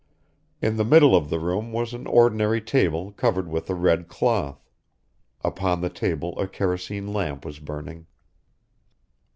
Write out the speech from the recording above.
In the middle of the room was an ordinary table covered with a red cloth. Upon the table a kerosene lamp was burning.